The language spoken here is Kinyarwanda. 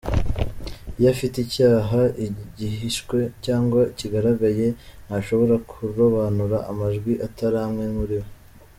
Iyo afite icyaha, igihishwe cyangwa ikigaragaye, ntashobora kurobanura amajwi atari amwe muri we.